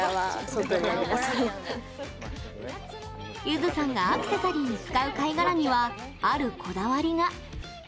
ゆずさんがアクセサリーに使う貝殻には、あるこだわりが。